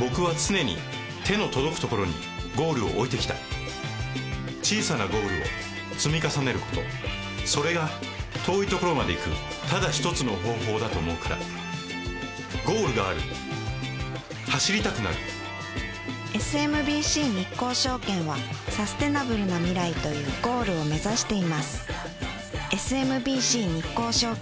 僕は常に手の届くところにゴールを置いてきた小さなゴールを積み重ねることそれが遠いところまで行くただ一つの方法だと思うからゴールがある走りたくなるＳＭＢＣ日興証券はサステナブルな未来というゴールを目指していますＳＭＢＣ日興証券